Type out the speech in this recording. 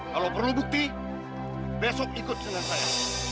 kalau perlu bukti besok ikut dengan saya